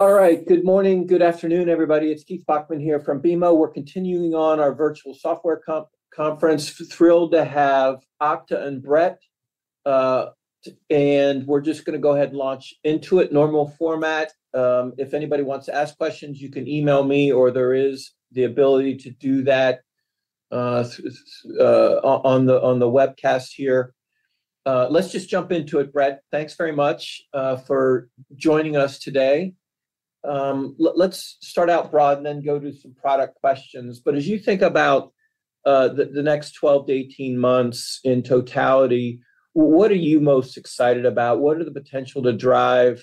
All right, good morning, good afternoon, everybody. It's Keith Bachman here from BMO. We're continuing on our virtual software conference. Thrilled to have Okta and Brett. We're just going to go ahead and launch into it, normal format. If anybody wants to ask questions, you can email me, or there is the ability to do that on the webcast here. Let's just jump into it, Brett. Thanks very much for joining us today. Let's start out broad and then go to some product questions. As you think about the next 12 to 18 months in totality, what are you most excited about? What are the potential to drive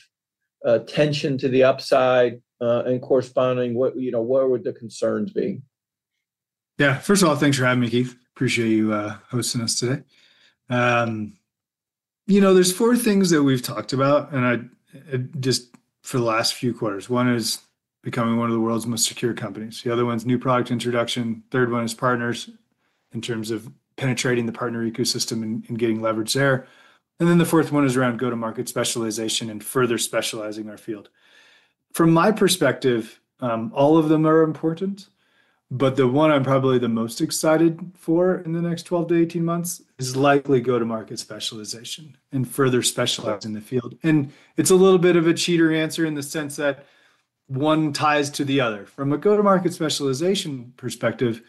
tension to the upside and corresponding? What would the concerns be? Yeah, first of all, thanks for having me, Keith. Appreciate you hosting us today. There are four things that we've talked about, and just for the last few quarters. One is becoming one of the world's most secure companies. The other one is new product introduction. The third one is partners in terms of penetrating the partner ecosystem and getting leverage there. Then the fourth one is around go-to-market specialization and further specializing our field. From my perspective, all of them are important, but the one I'm probably the most excited for in the next 12 to 18 months is likely go-to-market specialization and further specializing the field. It's a little bit of a cheater answer in the sense that one ties to the other. From a go-to-market specialization perspective,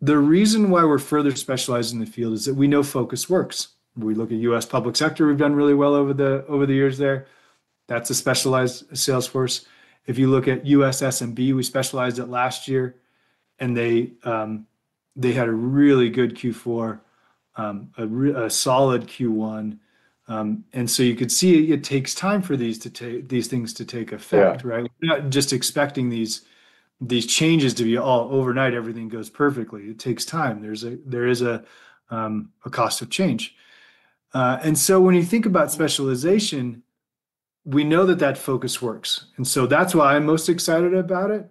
the reason why we're further specializing the field is that we know focus works. We look at U.S. public sector. We've done really well over the years there. That's a specialized salesforce. If you look at U.S. SMB, we specialized it last year, and they had a really good Q4, a solid Q1. You could see it takes time for these things to take effect, right? We're not just expecting these changes to be all overnight. Everything goes perfectly. It takes time. There is a cost of change. When you think about specialization, we know that that focus works. That's why I'm most excited about it.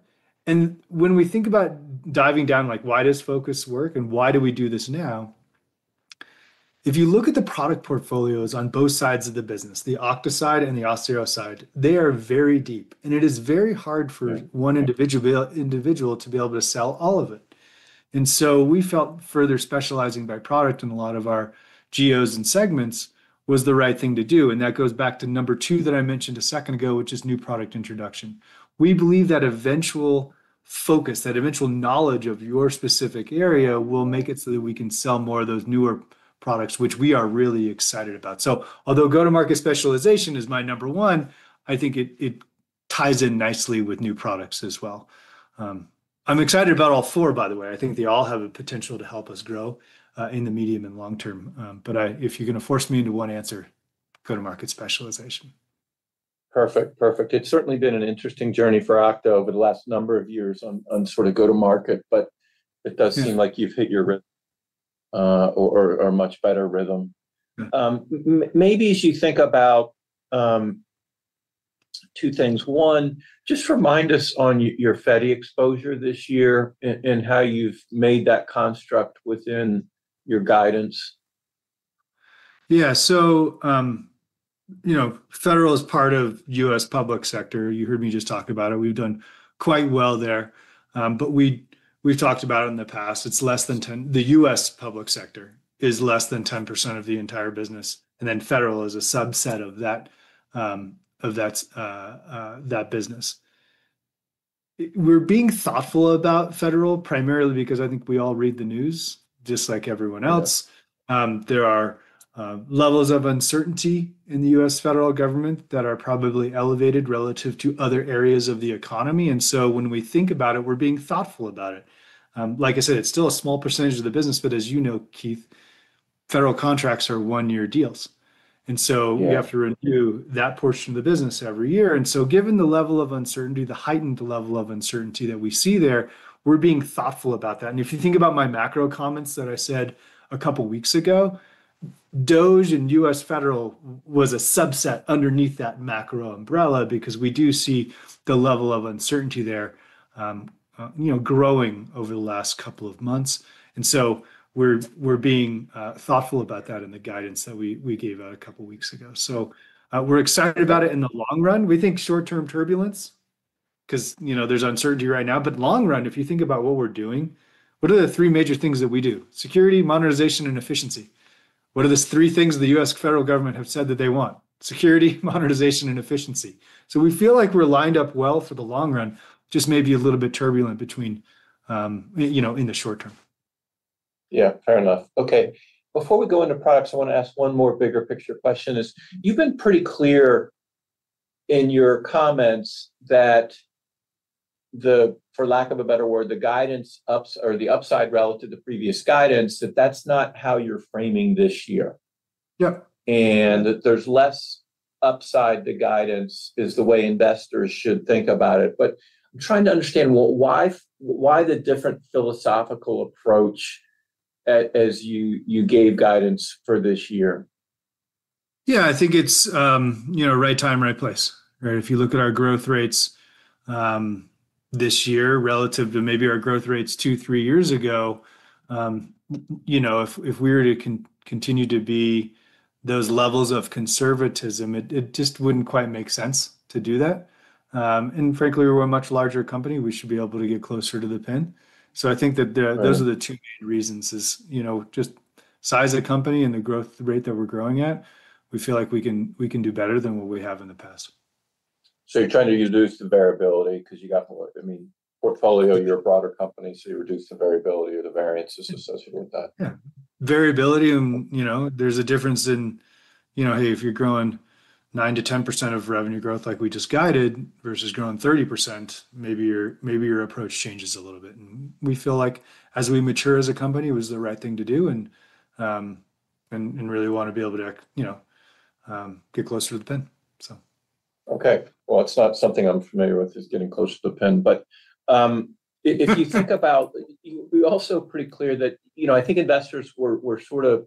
When we think about diving down, like, why does focus work and why do we do this now? If you look at the product portfolios on both sides of the business, the Okta side and the Auth0 side, they are very deep. It is very hard for one individual to be able to sell all of it. We felt further specializing by product in a lot of our GOs and segments was the right thing to do. That goes back to number two that I mentioned a second ago, which is new product introduction. We believe that eventual focus, that eventual knowledge of your specific area will make it so that we can sell more of those newer products, which we are really excited about. Although go-to-market specialization is my number one, I think it ties in nicely with new products as well. I'm excited about all four, by the way. I think they all have a potential to help us grow in the medium and long term. If you're going to force me into one answer, go-to-market specialization. Perfect. Perfect. It's certainly been an interesting journey for Okta over the last number of years on sort of go-to-market, but it does seem like you've hit your rhythm or much better rhythm. Maybe as you think about two things, one, just remind us on your Fed exposure this year and how you've made that construct within your guidance. Yeah. Federal is part of U.S. public sector. You heard me just talk about it. We've done quite well there. We've talked about it in the past. It's less than 10%. The U.S. public sector is less than 10% of the entire business. Federal is a subset of that business. We're being thoughtful about federal primarily because I think we all read the news just like everyone else. There are levels of uncertainty in the U.S. federal government that are probably elevated relative to other areas of the economy. When we think about it, we're being thoughtful about it. Like I said, it's still a small percentage of the business. As you know, Keith, federal contracts are one-year deals. You have to renew that portion of the business every year. Given the level of uncertainty, the heightened level of uncertainty that we see there, we're being thoughtful about that. If you think about my macro comments that I said a couple of weeks ago, DOGE and U.S. federal was a subset underneath that macro umbrella because we do see the level of uncertainty there growing over the last couple of months. We're being thoughtful about that in the guidance that we gave out a couple of weeks ago. We're excited about it in the long run. We think short-term turbulence because there's uncertainty right now. Long run, if you think about what we're doing, what are the three major things that we do? Security, modernization, and efficiency. What are the three things the U.S. federal government has said that they want? Security, modernization, and efficiency. We feel like we're lined up well for the long run, just maybe a little bit turbulent in the short term. Yeah, fair enough. Okay. Before we go into products, I want to ask one more bigger picture question. You've been pretty clear in your comments that, for lack of a better word, the guidance or the upside relative to the previous guidance, that that's not how you're framing this year. Yep. There is less upside to guidance is the way investors should think about it. I am trying to understand why the different philosophical approach as you gave guidance for this year. Yeah, I think it's right time, right place. If you look at our growth rates this year relative to maybe our growth rates two, three years ago, if we were to continue to be those levels of conservatism, it just wouldn't quite make sense to do that. Frankly, we're a much larger company. We should be able to get closer to the pin. I think that those are the two main reasons is just size of the company and the growth rate that we're growing at. We feel like we can do better than what we have in the past. You're trying to reduce the variability because you got the, I mean, portfolio, you're a broader company, so you reduce the variability or the variances associated with that. Yeah. Variability. There's a difference in, hey, if you're growing 9-10% of revenue growth like we just guided versus growing 30%, maybe your approach changes a little bit. We feel like as we mature as a company, it was the right thing to do and really want to be able to get closer to the pin, so. Okay. It's not something I'm familiar with, is getting closer to the pin. If you think about, we're also pretty clear that I think investors were sort of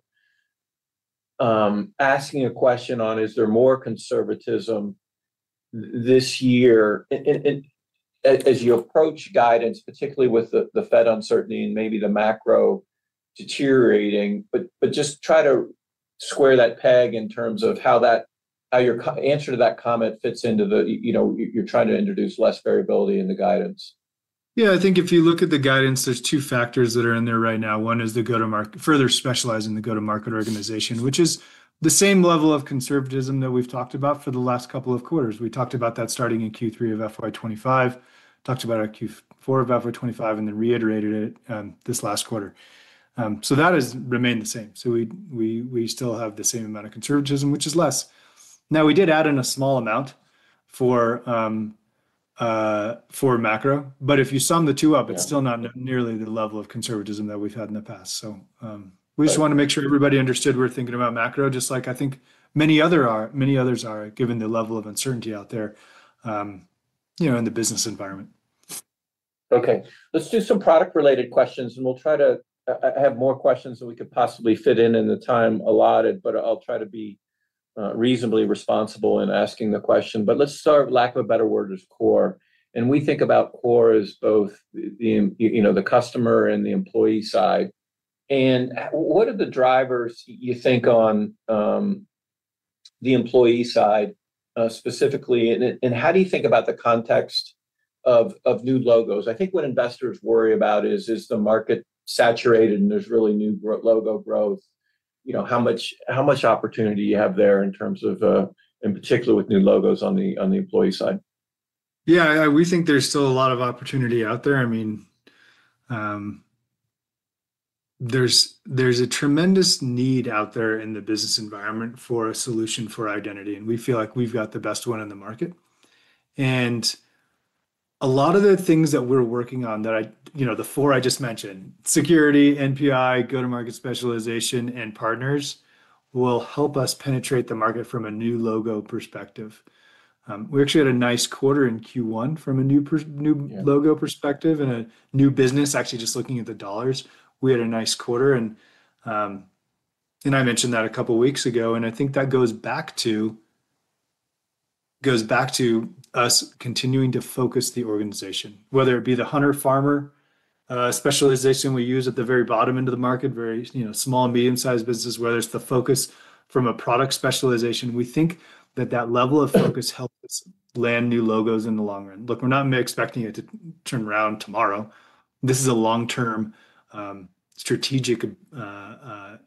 asking a question on, is there more conservatism this year as you approach guidance, particularly with the Fed uncertainty and maybe the macro deteriorating? Just try to square that peg in terms of how your answer to that comment fits into the you're trying to introduce less variability in the guidance. Yeah. I think if you look at the guidance, there are two factors that are in there right now. One is the go-to-market, further specializing the go-to-market organization, which is the same level of conservatism that we've talked about for the last couple of quarters. We talked about that starting in Q3 of FY2025, talked about our Q4 of FY2025, and then reiterated it this last quarter. That has remained the same. We still have the same amount of conservatism, which is less. Now, we did add in a small amount for macro. If you sum the two up, it's still not nearly the level of conservatism that we've had in the past. We just want to make sure everybody understood we're thinking about macro, just like I think many others are, given the level of uncertainty out there in the business environment. Okay. Let's do some product-related questions, and we'll try to have more questions than we could possibly fit in in the time allotted. I'll try to be reasonably responsible in asking the question. Let's start, lack of a better word, as core. We think about core as both the customer and the employee side. What are the drivers, you think, on the employee side specifically? How do you think about the context of new logos? I think what investors worry about is, is the market saturated and there's really new logo growth? How much opportunity do you have there in terms of, in particular, with new logos on the employee side? Yeah. We think there's still a lot of opportunity out there. I mean, there's a tremendous need out there in the business environment for a solution for identity. We feel like we've got the best one in the market. A lot of the things that we're working on, the four I just mentioned, security, NPI, go-to-market specialization, and partners, will help us penetrate the market from a new logo perspective. We actually had a nice quarter in Q1 from a new logo perspective and a new business, actually just looking at the dollars. We had a nice quarter. I mentioned that a couple of weeks ago. I think that goes back to us continuing to focus the organization, whether it be the hunter-farmer specialization we use at the very bottom end of the market, very small and medium-sized businesses, whether it's the focus from a product specialization. We think that that level of focus helps us land new logos in the long run. Look, we're not expecting it to turn around tomorrow. This is a long-term strategic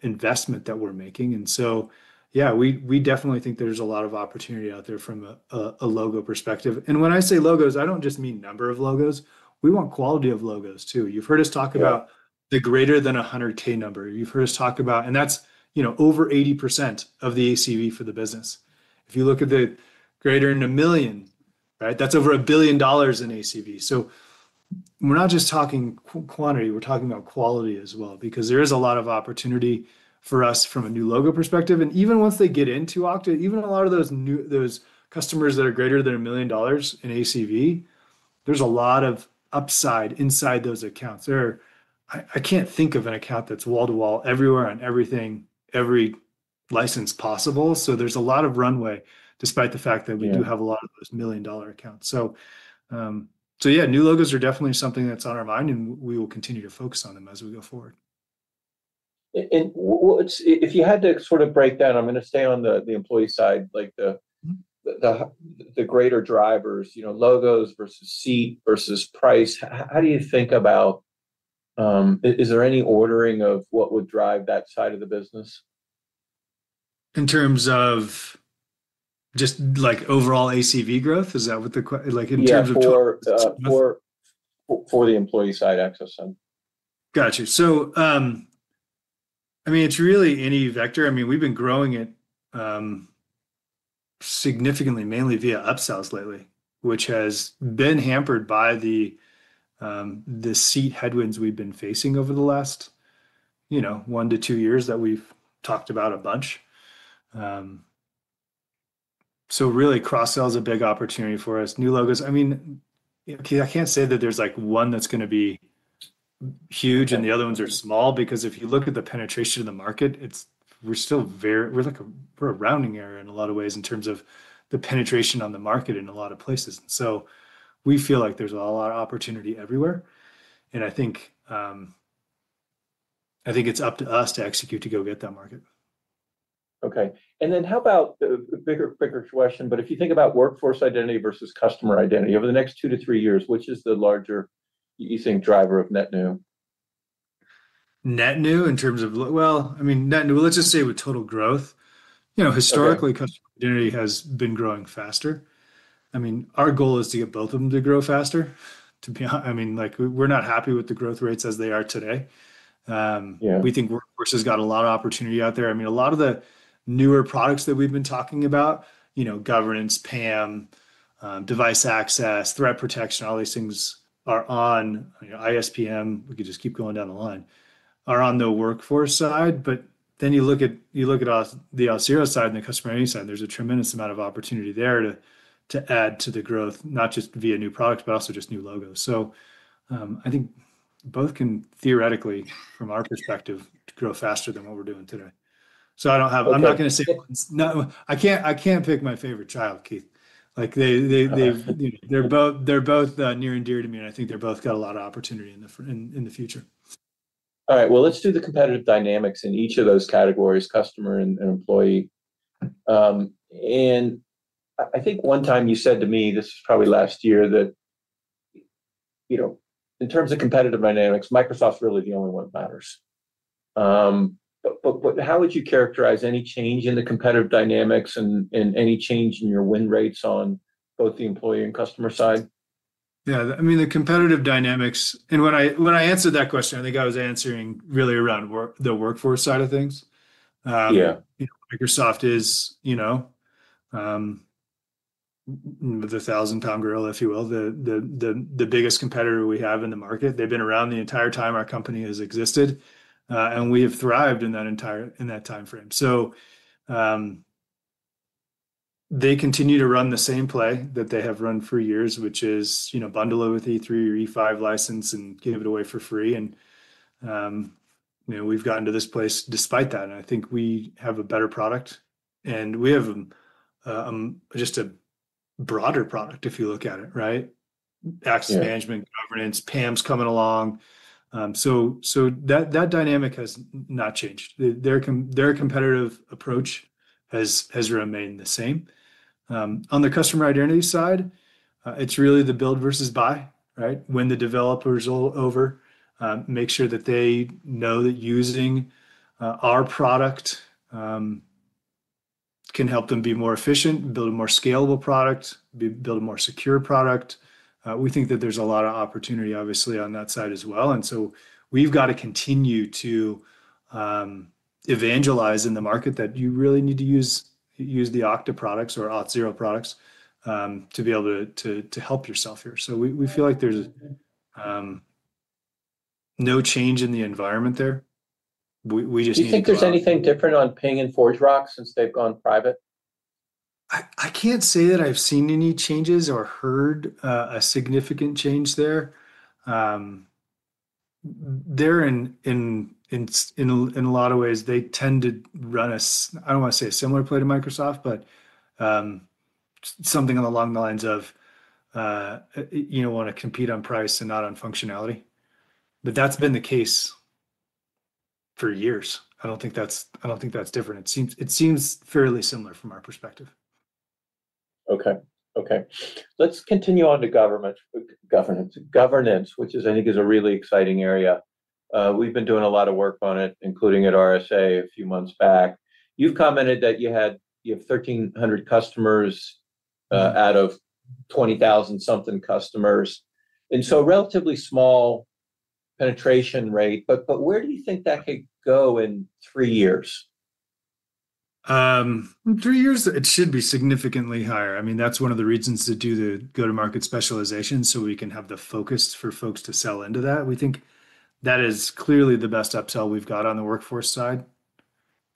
investment that we're making. Yeah, we definitely think there's a lot of opportunity out there from a logo perspective. When I say logos, I don't just mean number of logos. We want quality of logos too. You've heard us talk about the greater than 100,000 number. You've heard us talk about, and that's over 80% of the ACV for the business. If you look at the greater than a million, right, that's over a billion dollars in ACV. We're not just talking quantity. We're talking about quality as well because there is a lot of opportunity for us from a new logo perspective. Even once they get into Okta, even a lot of those customers that are greater than a million dollars in ACV, there's a lot of upside inside those accounts. I can't think of an account that's wall-to-wall everywhere on everything, every license possible. There's a lot of runway despite the fact that we do have a lot of those million-dollar accounts. New logos are definitely something that's on our mind, and we will continue to focus on them as we go forward. If you had to sort of break down, I'm going to stay on the employee side, like the greater drivers, logos versus seat versus price, how do you think about, is there any ordering of what would drive that side of the business? In terms of just overall ACV growth? Is that what the question is? Yeah. For the employee side, access side. Gotcha. I mean, it's really any vector. I mean, we've been growing it significantly, mainly via upsells lately, which has been hampered by the seat headwinds we've been facing over the last one to two years that we've talked about a bunch. Really, cross-sell is a big opportunity for us. New logos. I mean, I can't say that there's one that's going to be huge and the other ones are small because if you look at the penetration of the market, we're still very, we're a rounding area in a lot of ways in terms of the penetration on the market in a lot of places. We feel like there's a lot of opportunity everywhere. I think it's up to us to execute to go get that market. Okay. How about a bigger question, but if you think about workforce identity versus customer identity over the next two to three years, which is the larger you think driver of net new? Net new in terms of, I mean, net new, let's just say with total growth. Historically, customer identity has been growing faster. I mean, our goal is to get both of them to grow faster. I mean, we're not happy with the growth rates as they are today. We think workforce has got a lot of opportunity out there. I mean, a lot of the newer products that we've been talking about, governance, PAM, device access, threat protection, all these things are on ISPM. We could just keep going down the line, are on the workforce side. You look at the Auth0 side and the customer identity side, there's a tremendous amount of opportunity there to add to the growth, not just via new products, but also just new logos. I think both can theoretically, from our perspective, grow faster than what we're doing today. I'm not going to say I can't pick my favorite child, Keith. They're both near and dear to me, and I think they've both got a lot of opportunity in the future. All right. Let's do the competitive dynamics in each of those categories, customer and employee. I think one time you said to me, this was probably last year, that in terms of competitive dynamics, Microsoft's really the only one that matters. How would you characterize any change in the competitive dynamics and any change in your win rates on both the employee and customer side? Yeah. I mean, the competitive dynamics, and when I answered that question, I think I was answering really around the workforce side of things. Microsoft is the thousand-pound gorilla, if you will, the biggest competitor we have in the market. They've been around the entire time our company has existed, and we have thrived in that timeframe. They continue to run the same play that they have run for years, which is bundle it with E3 or E5 license and give it away for free. We've gotten to this place despite that. I think we have a better product. We have just a broader product if you look at it, right? Access management, governance, PAM is coming along. That dynamic has not changed. Their competitive approach has remained the same. On the customer identity side, it's really the build versus buy, right? When the developer's over, make sure that they know that using our product can help them be more efficient, build a more scalable product, build a more secure product. We think that there's a lot of opportunity, obviously, on that side as well. We have to continue to evangelize in the market that you really need to use the Okta products or Auth0 products to be able to help yourself here. We feel like there's no change in the environment there. We just need to. Do you think there's anything different on Ping and ForgeRock since they've gone private? I can't say that I've seen any changes or heard a significant change there. They're, in a lot of ways, they tend to run a, I don't want to say a similar play to Microsoft, but something along the lines of want to compete on price and not on functionality. That has been the case for years. I don't think that's different. It seems fairly similar from our perspective. Okay. Okay. Let's continue on to governance, which I think is a really exciting area. We've been doing a lot of work on it, including at RSA a few months back. You've commented that you have 1,300 customers out of 20,000-something customers. And so relatively small penetration rate. But where do you think that could go in three years? In three years, it should be significantly higher. I mean, that's one of the reasons to do the go-to-market specialization so we can have the focus for folks to sell into that. We think that is clearly the best upsell we've got on the workforce side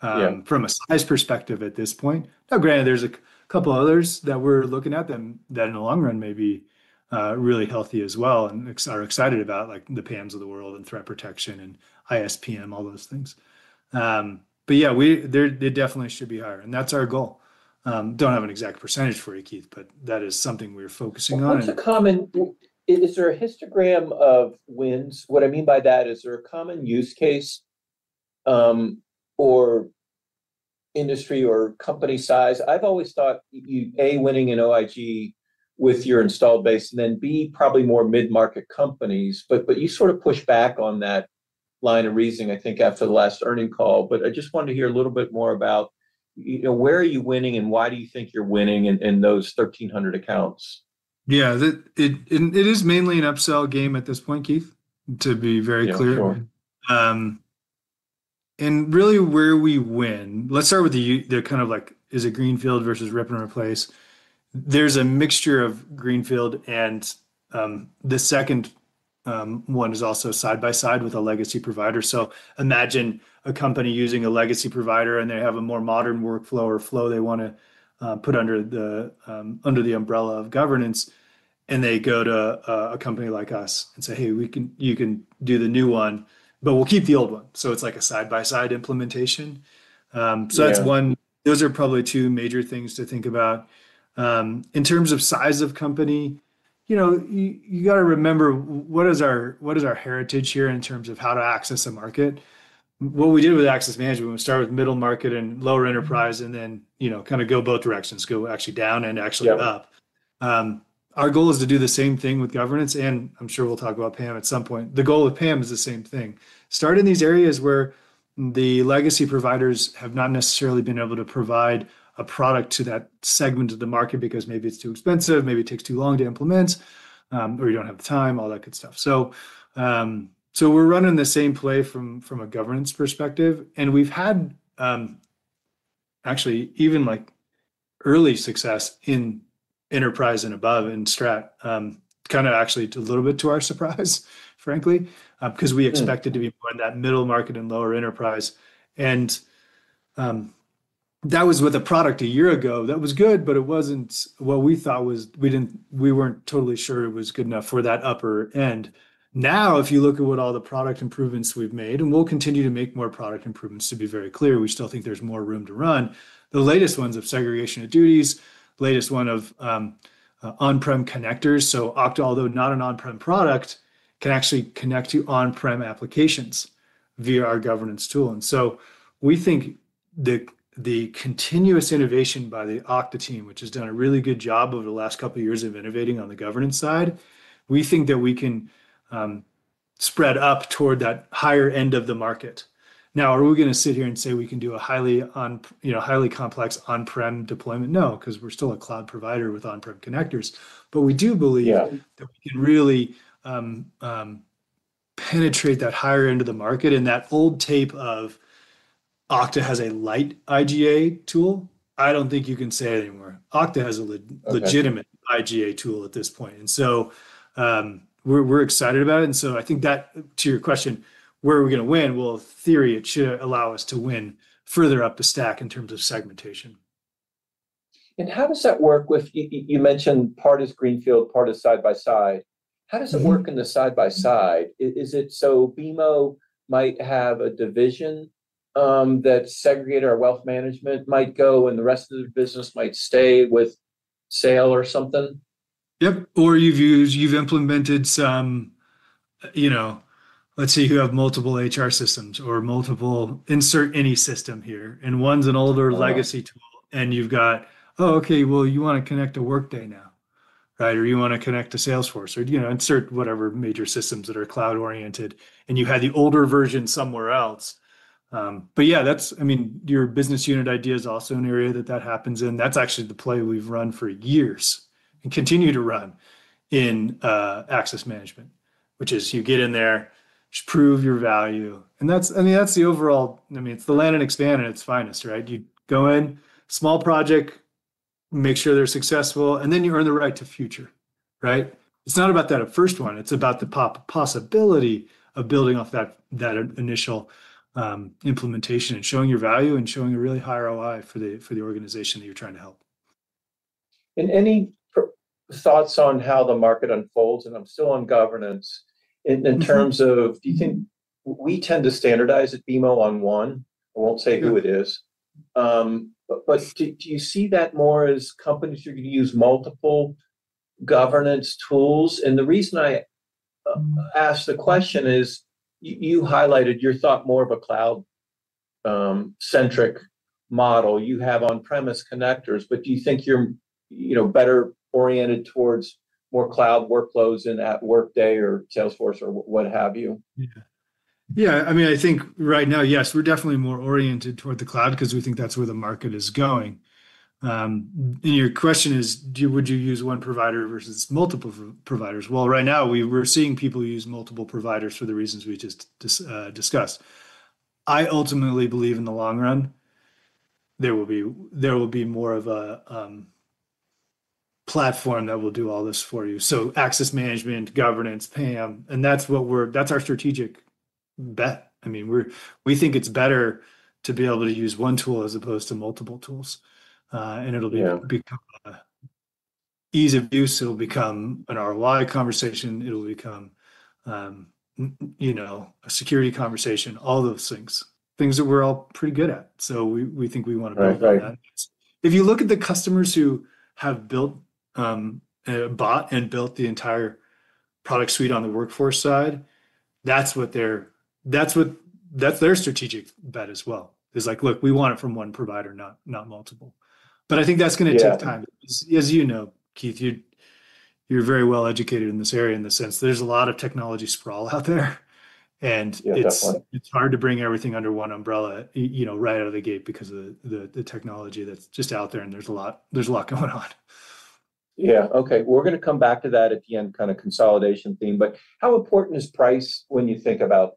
from a size perspective at this point. Now, granted, there's a couple others that we're looking at that in the long run may be really healthy as well and are excited about, like the PAMs of the world and threat protection and ISPM, all those things. Yeah, they definitely should be higher. That's our goal. Don't have an exact percentage for you, Keith, but that is something we're focusing on. Is there a histogram of wins? What I mean by that is, is there a common use case or industry or company size? I've always thought, A, winning in OIG with your installed base, and then, B, probably more mid-market companies. You sort of pushed back on that line of reasoning, I think, after the last earnings call. I just wanted to hear a little bit more about where are you winning and why do you think you're winning in those 1,300 accounts? Yeah. It is mainly an upsell game at this point, Keith, to be very clear. Really, where we win, let's start with the kind of like, is it Greenfield versus rip and replace? There's a mixture of Greenfield, and the second one is also side by side with a legacy provider. Imagine a company using a legacy provider, and they have a more modern workflow or flow they want to put under the umbrella of governance. They go to a company like us and say, "Hey, you can do the new one, but we'll keep the old one." It is like a side-by-side implementation. Those are probably two major things to think about. In terms of size of company, you got to remember what is our heritage here in terms of how to access a market. What we did with access management, we start with middle market and lower enterprise and then kind of go both directions, go actually down and actually up. Our goal is to do the same thing with governance. I'm sure we'll talk about PAM at some point. The goal of PAM is the same thing. Start in these areas where the legacy providers have not necessarily been able to provide a product to that segment of the market because maybe it's too expensive, maybe it takes too long to implement, or you don't have the time, all that good stuff. We're running the same play from a governance perspective. We've had actually even early success in enterprise and above in Strat, kind of actually a little bit to our surprise, frankly, because we expected to be more in that middle market and lower enterprise. That was with a product a year ago that was good, but it was not what we thought was, we were not totally sure it was good enough for that upper end. Now, if you look at all the product improvements we have made, and we will continue to make more product improvements to be very clear, we still think there is more room to run. The latest ones are segregation of duties, the latest one of on-prem connectors. Okta, although not an on-prem product, can actually connect to on-prem applications via our governance tool. We think the continuous innovation by the Okta team, which has done a really good job over the last couple of years of innovating on the governance side, means we can spread up toward that higher end of the market. Now, are we going to sit here and say we can do a highly complex on-prem deployment? No, because we're still a cloud provider with on-prem connectors. We do believe that we can really penetrate that higher end of the market. That old tape of Okta has a light IGA tool, I don't think you can say anymore. Okta has a legitimate IGA tool at this point. We're excited about it. I think that to your question, where are we going to win? In theory, it should allow us to win further up the stack in terms of segmentation. How does that work with, you mentioned part is Greenfield, part is side by side. How does it work in the side by side? BMO might have a division that is segregated, or wealth management might go, and the rest of the business might stay with SailPoint or something. Yep. Or you've implemented some, let's say you have multiple HR systems or multiple, insert any system here. One's an older legacy tool, and you've got, "Oh, okay, well, you want to connect a Workday now," right? You want to connect to Salesforce or insert whatever major systems that are cloud-oriented, and you had the older version somewhere else. Yeah, I mean, your business unit idea is also an area that happens in. That's actually the play we've run for years and continue to run in access management, which is you get in there, prove your value. I mean, that's the overall, I mean, it's the land and expand at its finest, right? You go in, small project, make sure they're successful, and then you earn the right to future, right? It's not about that first one. It's about the possibility of building off that initial implementation and showing your value and showing a really high ROI for the organization that you're trying to help. Any thoughts on how the market unfolds? I'm still on governance. In terms of, do you think we tend to standardize at BMO on one? I won't say who it is. Do you see that more as companies are going to use multiple governance tools? The reason I asked the question is you highlighted your thought more of a cloud-centric model. You have on-premise connectors, but do you think you're better oriented towards more cloud workloads and at Workday or Salesforce or what have you? Yeah. Yeah. I mean, I think right now, yes, we're definitely more oriented toward the cloud because we think that's where the market is going. Your question is, would you use one provider versus multiple providers? Right now, we're seeing people use multiple providers for the reasons we just discussed. I ultimately believe in the long run, there will be more of a platform that will do all this for you. Access management, governance, PAM. That's our strategic bet. I mean, we think it's better to be able to use one tool as opposed to multiple tools. It'll become ease of use. It'll become an ROI conversation. It'll become a security conversation, all those things. Things that we're all pretty good at. We think we want to build on that. If you look at the customers who have bought and built the entire product suite on the workforce side, that's their strategic bet as well. It's like, "Look, we want it from one provider, not multiple." I think that's going to take time. As you know, Keith, you're very well educated in this area in the sense. There's a lot of technology sprawl out there. It's hard to bring everything under one umbrella right out of the gate because of the technology that's just out there. There's a lot going on. Yeah. Okay. We're going to come back to that at the end, kind of consolidation theme. How important is price when you think about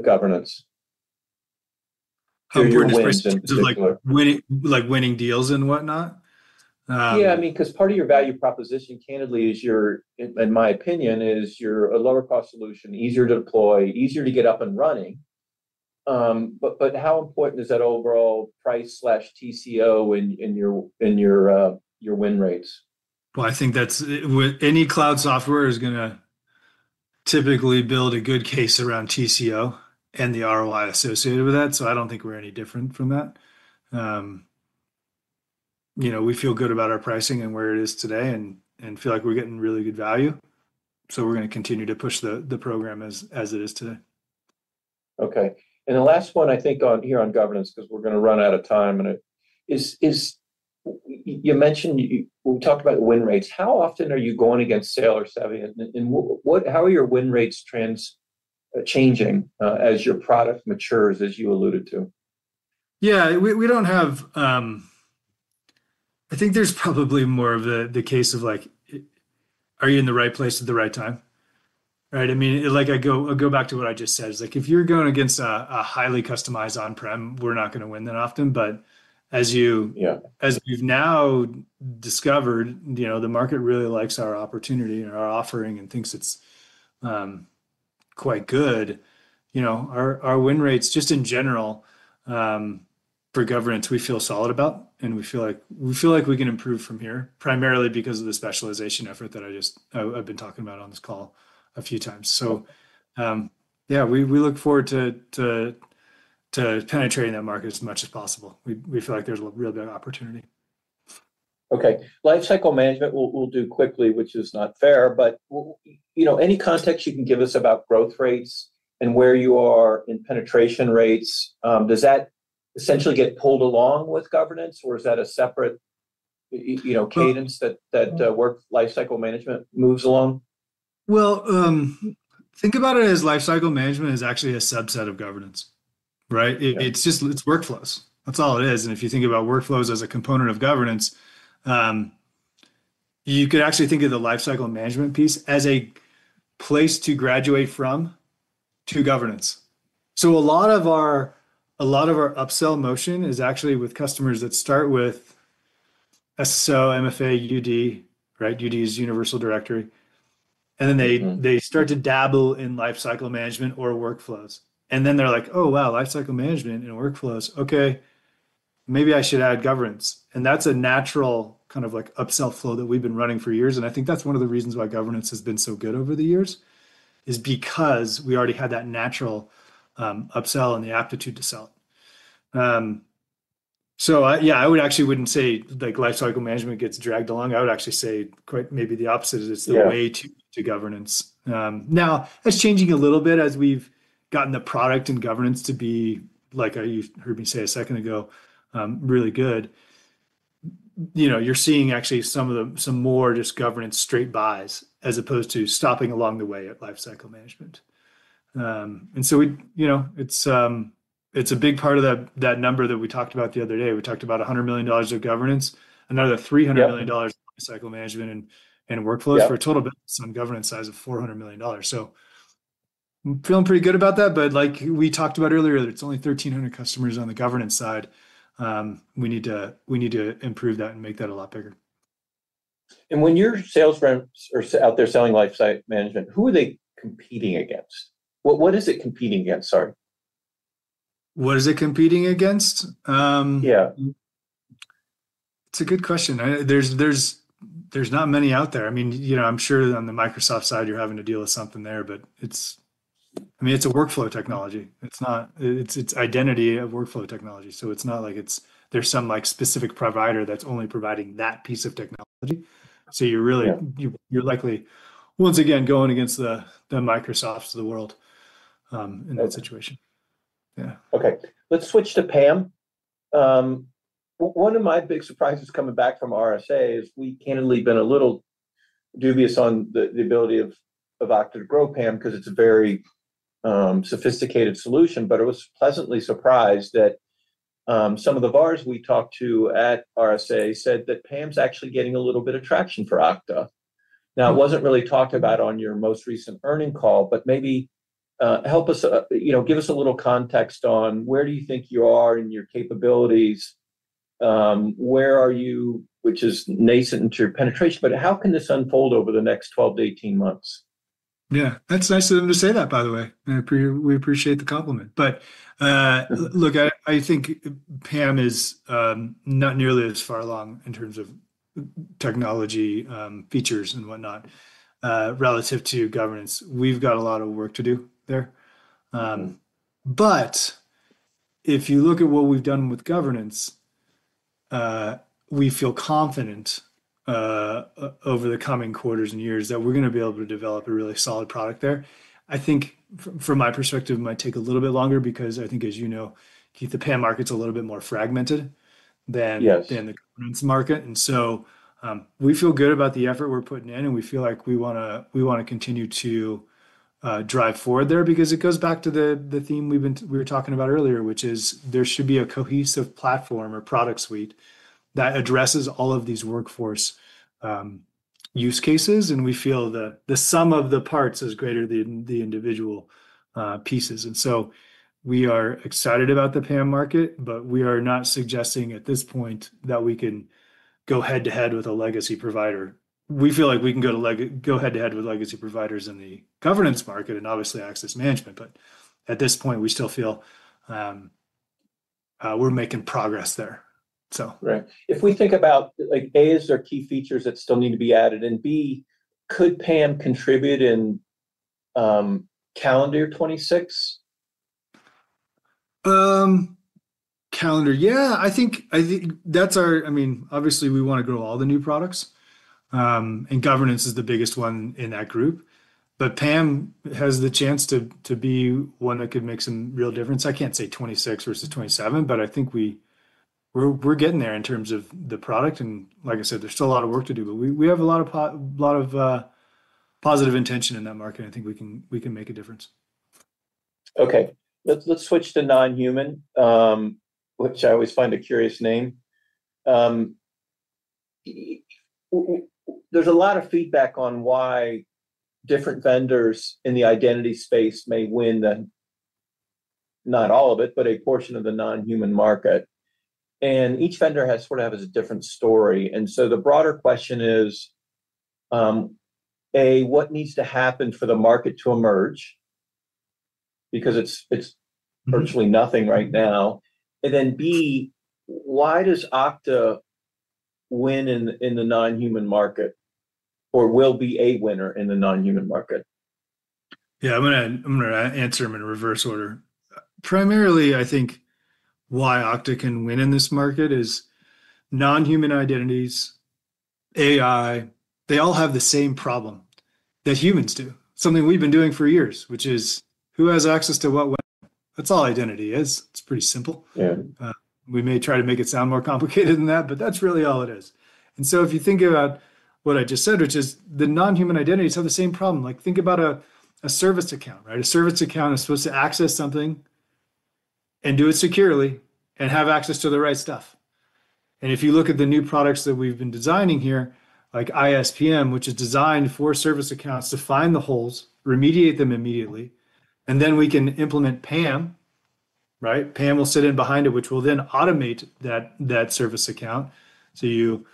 governance? How important is price? Like winning deals and whatnot? Yeah. I mean, because part of your value proposition, candidly, in my opinion, is you're a lower-cost solution, easier to deploy, easier to get up and running. How important is that overall price/TCO in your win rates? I think that any cloud software is going to typically build a good case around TCO and the ROI associated with that. I do not think we are any different from that. We feel good about our pricing and where it is today and feel like we are getting really good value. We are going to continue to push the program as it is today. Okay. The last one, I think, here on governance, because we're going to run out of time. You mentioned we talked about win rates. How often are you going against SailPoint or Saviynt? How are your win rates changing as your product matures, as you alluded to? Yeah. I think there's probably more of the case of like, "Are you in the right place at the right time?" Right? I mean, I'll go back to what I just said. It's like, if you're going against a highly customized on-prem, we're not going to win that often. As you've now discovered, the market really likes our opportunity and our offering and thinks it's quite good. Our win rates, just in general, for governance, we feel solid about. We feel like we can improve from here, primarily because of the specialization effort that I've been talking about on this call a few times. Yeah, we look forward to penetrating that market as much as possible. We feel like there's a real big opportunity. Okay. Lifecycle Management, we'll do quickly, which is not fair. But any context you can give us about growth rates and where you are in penetration rates, does that essentially get pulled along with Governance, or is that a separate cadence that Lifecycle Management moves along? Think about it as lifecycle management is actually a subset of governance, right? It is workflows. That is all it is. If you think about workflows as a component of governance, you could actually think of the lifecycle management piece as a place to graduate from to governance. A lot of our upsell motion is actually with customers that start with SSO, MFA, UD, right? UD is Universal Directory. Then they start to dabble in lifecycle management or workflows. They are like, "Oh, wow, lifecycle management and workflows. Okay. Maybe I should add governance." That is a natural kind of upsell flow that we have been running for years. I think that is one of the reasons why governance has been so good over the years is because we already had that natural upsell and the aptitude to sell. Yeah, I actually wouldn't say lifecycle management gets dragged along. I would actually say maybe the opposite is it's the way to governance. Now, that's changing a little bit as we've gotten the product and governance to be, like you heard me say a second ago, really good. You're seeing actually some more just governance straight buys as opposed to stopping along the way at lifecycle management. It's a big part of that number that we talked about the other day. We talked about $100 million of governance, another $300 million of lifecycle management and workflows for a total business on governance size of $400 million. I'm feeling pretty good about that. Like we talked about earlier, it's only 1,300 customers on the governance side. We need to improve that and make that a lot bigger. When your sales reps are out there selling Lifecycle Management, who are they competing against? What is it competing against, sorry? What is it competing against? Yeah. It's a good question. There's not many out there. I mean, I'm sure on the Microsoft side, you're having to deal with something there, but I mean, it's a workflow technology. It's identity of workflow technology. So it's not like there's some specific provider that's only providing that piece of technology. So you're likely, once again, going against the Microsoft of the world in that situation. Yeah. Okay. Let's switch to PAM. One of my big surprises coming back from RSA is we've candidly been a little dubious on the ability of Okta to grow PAM because it's a very sophisticated solution. I was pleasantly surprised that some of the bars we talked to at RSA said that PAM's actually getting a little bit of traction for Okta. It wasn't really talked about on your most recent earning call, but maybe help us give us a little context on where do you think you are in your capabilities? Where are you, which is nascent into your penetration? How can this unfold over the next 12 to 18 months? Yeah. That's nice of them to say that, by the way. We appreciate the compliment. Look, I think PAM is not nearly as far along in terms of technology features and whatnot relative to governance. We've got a lot of work to do there. If you look at what we've done with governance, we feel confident over the coming quarters and years that we're going to be able to develop a really solid product there. I think from my perspective, it might take a little bit longer because I think, as you know, Keith, the PAM market's a little bit more fragmented than the governance market. We feel good about the effort we're putting in, and we feel like we want to continue to drive forward there because it goes back to the theme we were talking about earlier, which is there should be a cohesive platform or product suite that addresses all of these workforce use cases. We feel the sum of the parts is greater than the individual pieces. We are excited about the PAM market, but we are not suggesting at this point that we can go head-to-head with a legacy provider. We feel like we can go head-to-head with legacy providers in the governance market and obviously access management. At this point, we still feel we're making progress there. Right. If we think about A, is there key features that still need to be added? Is there B, could PAM contribute in calendar 2026? Calendar, yeah. I think that's our—I mean, obviously, we want to grow all the new products. Governance is the biggest one in that group. PAM has the chance to be one that could make some real difference. I can't say '26 versus '27, but I think we're getting there in terms of the product. Like I said, there's still a lot of work to do, but we have a lot of positive intention in that market. I think we can make a difference. Okay. Let's switch to non-human, which I always find a curious name. There's a lot of feedback on why different vendors in the identity space may win—not all of it, but a portion of the non-human market. Each vendor has sort of a different story. The broader question is, A, what needs to happen for the market to emerge? Because it's virtually nothing right now. Then B, why does Okta win in the non-human market or will be a winner in the non-human market? Yeah. I'm going to answer them in reverse order. Primarily, I think why Okta can win in this market is non-human identities, AI, they all have the same problem that humans do, something we've been doing for years, which is who has access to what? That's all identity is. It's pretty simple. We may try to make it sound more complicated than that, but that's really all it is. If you think about what I just said, which is the non-human identities have the same problem. Think about a service account, right? A service account is supposed to access something and do it securely and have access to the right stuff. If you look at the new products that we've been designing here, like ISPM, which is designed for service accounts to find the holes, remediate them immediately. We can implement PAM, right? PAM will sit in behind it, which will then automate that service account. You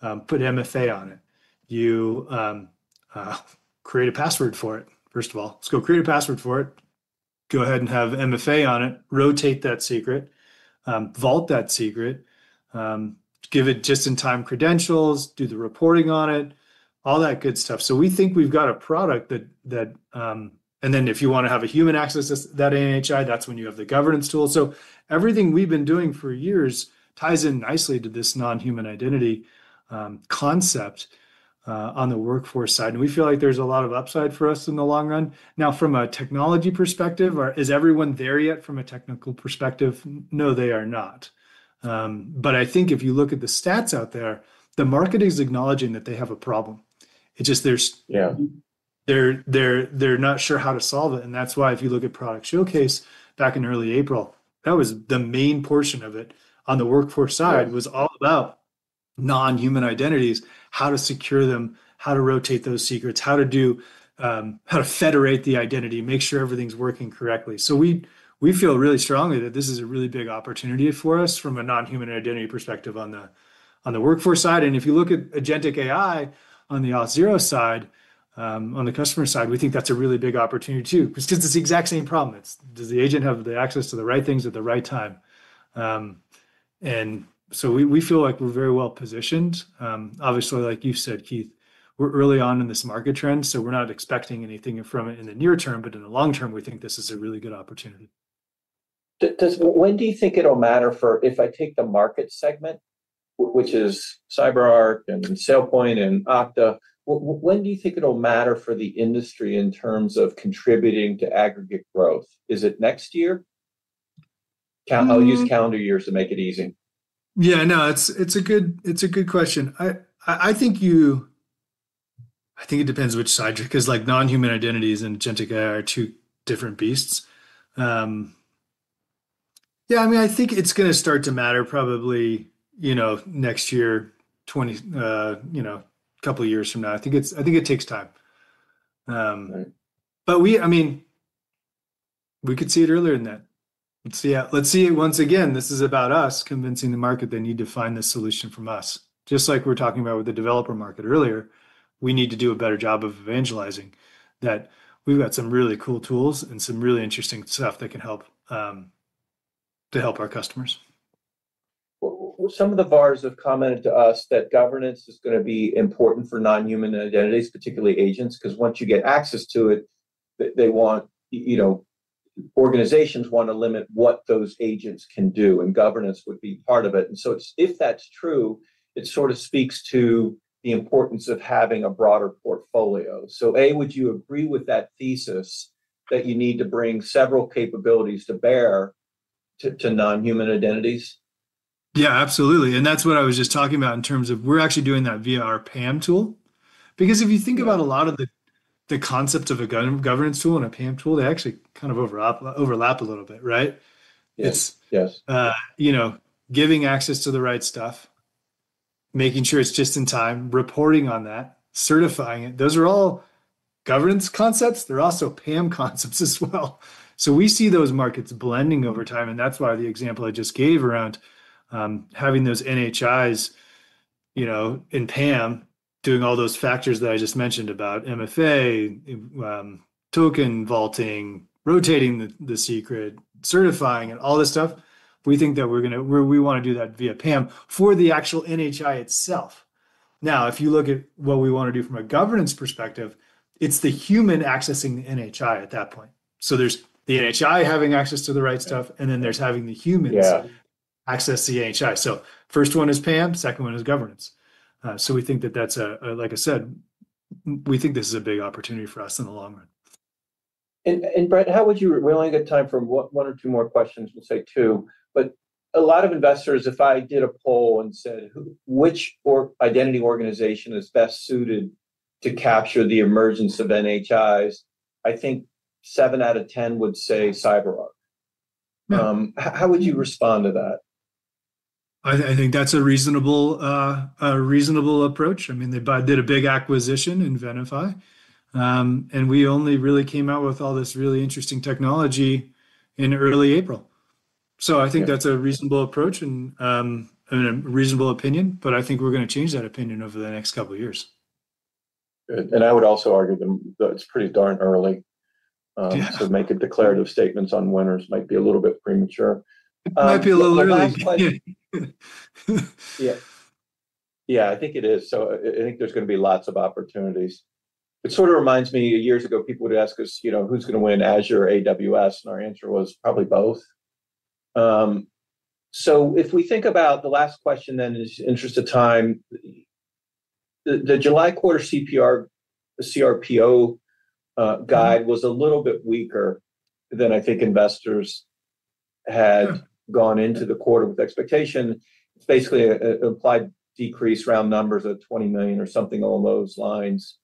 put MFA on it. You create a password for it, first of all. Let's go create a password for it. Go ahead and have MFA on it. Rotate that secret. Vault that secret. Give it just-in-time credentials. Do the reporting on it. All that good stuff. We think we've got a product that—and then if you want to have a human access that NHI, that's when you have the governance tool. Everything we've been doing for years ties in nicely to this non-human identity concept on the workforce side. We feel like there's a lot of upside for us in the long run. Now, from a technology perspective, is everyone there yet from a technical perspective? No, they are not. I think if you look at the stats out there, the market is acknowledging that they have a problem. It's just they're not sure how to solve it. If you look at product showcase back in early April, that was the main portion of it on the workforce side, it was all about non-human identities, how to secure them, how to rotate those secrets, how to federate the identity, make sure everything's working correctly. We feel really strongly that this is a really big opportunity for us from a non-human identity perspective on the workforce side. If you look at agentic AI on the Auth0 side, on the customer side, we think that's a really big opportunity too. It's the exact same problem. Does the agent have the access to the right things at the right time? We feel like we're very well positioned. Obviously, like you said, Keith, we're early on in this market trend, so we're not expecting anything from it in the near term, but in the long term, we think this is a really good opportunity. When do you think it'll matter for—if I take the market segment, which is CyberArk and SailPoint and Okta, when do you think it'll matter for the industry in terms of contributing to aggregate growth? Is it next year? I'll use calendar years to make it easy. Yeah. No, it's a good question. I think it depends which side, because non-human identities and agentic AI are two different beasts. Yeah. I mean, I think it's going to start to matter probably next year, a couple of years from now. I think it takes time. I mean, we could see it earlier than that. Let's see it once again. This is about us convincing the market they need to find the solution from us. Just like we're talking about with the developer market earlier, we need to do a better job of evangelizing that we've got some really cool tools and some really interesting stuff that can help our customers. Some of the bars have commented to us that governance is going to be important for non-human identities, particularly agents, because once you get access to it, organizations want to limit what those agents can do, and governance would be part of it. If that's true, it sort of speaks to the importance of having a broader portfolio. A, would you agree with that thesis that you need to bring several capabilities to bear to non-human identities? Yeah, absolutely. That is what I was just talking about in terms of we're actually doing that via our PAM tool. Because if you think about a lot of the concepts of a governance tool and a PAM tool, they actually kind of overlap a little bit, right? Yes. Giving access to the right stuff, making sure it's just in time, reporting on that, certifying it. Those are all governance concepts. They're also PAM concepts as well. We see those markets blending over time. That is why the example I just gave around having those NHIs in PAM, doing all those factors that I just mentioned about MFA, token vaulting, rotating the secret, certifying, and all this stuff. We think that we want to do that via PAM for the actual NHI itself. Now, if you look at what we want to do from a governance perspective, it's the human accessing the NHI at that point. There is the NHI having access to the right stuff, and then there is having the humans access the NHI. First one is PAM, second one is governance. We think that that's, like I said, we think this is a big opportunity for us in the long run. Brett, how would you—we only got time for one or two more questions. We'll say two. A lot of investors, if I did a poll and said, "Which identity organization is best suited to capture the emergence of NHIs?" I think 7 out of 10 would say CyberArk. How would you respond to that? I think that's a reasonable approach. I mean, they did a big acquisition in Venafi. And we only really came out with all this really interesting technology in early April. I think that's a reasonable approach and a reasonable opinion. I think we're going to change that opinion over the next couple of years. Good. I would also argue that it's pretty darn early to make a declarative statement on winners might be a little bit premature. Might be a little early. Yeah. Yeah, I think it is. I think there's going to be lots of opportunities. It sort of reminds me years ago, people would ask us, "Who's going to win, Azure or AWS?" Our answer was probably both. If we think about the last question then, in the interest of time, the July quarter CRPO guide was a little bit weaker than I think investors had gone into the quarter with expectation. It's basically an implied decrease around $20 million or something along those lines.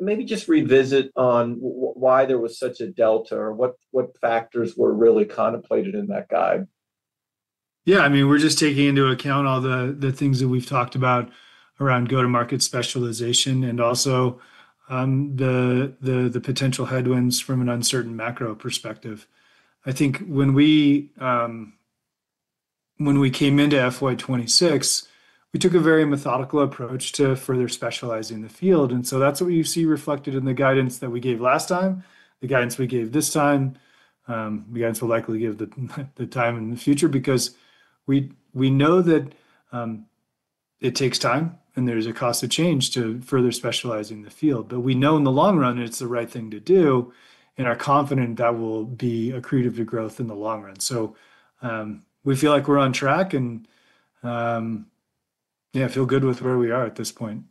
Maybe just revisit on why there was such a delta or what factors were really contemplated in that guide. Yeah. I mean, we're just taking into account all the things that we've talked about around go-to-market specialization and also the potential headwinds from an uncertain macro perspective. I think when we came into FY26, we took a very methodical approach to further specializing the field. That's what you see reflected in the guidance that we gave last time, the guidance we gave this time, the guidance we'll likely give the time in the future because we know that it takes time and there's a cost of change to further specializing the field. We know in the long run it's the right thing to do, and are confident that will be accretive to growth in the long run. We feel like we're on track, and yeah, I feel good with where we are at this point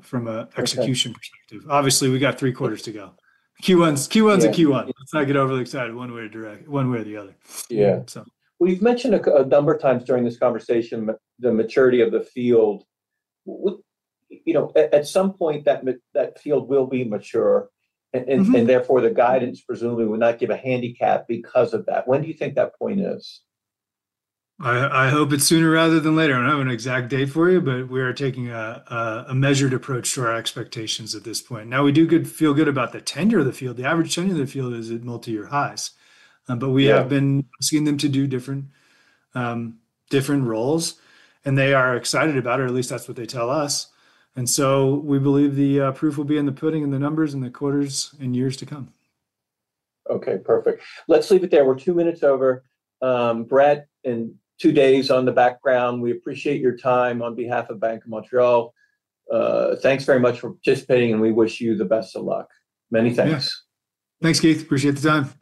from an execution perspective. Obviously, we got three quarters to go. Q1's a Q1. Let's not get overly excited one way or the other, so. Yeah. We've mentioned a number of times during this conversation the maturity of the field. At some point, that field will be mature, and therefore, the guidance presumably will not give a handicap because of that. When do you think that point is? I hope it's sooner rather than later. I don't have an exact date for you, but we are taking a measured approach to our expectations at this point. We do feel good about the tenure of the field. The average tenure of the field is at multi-year highs. We have been asking them to do different roles, and they are excited about it, or at least that's what they tell us. We believe the proof will be in the pudding and the numbers and the quarters and years to come. Okay. Perfect. Let's leave it there. We're two minutes over. Brett and two days on the background. We appreciate your time on behalf of Bank of Montreal. Thanks very much for participating, and we wish you the best of luck. Many thanks. Yes. Thanks, Keith. Appreciate the time.